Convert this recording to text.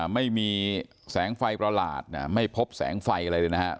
ไม่มีแสงไฟประหลาดไม่พบแสงไฟอะไรเลยนะครับ